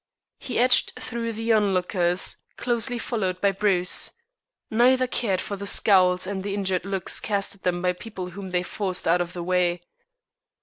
He edged through the onlookers, closely followed by Bruce. Neither cared for the scowls and injured looks cast at them by the people whom they forced out of the way.